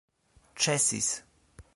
ĉesis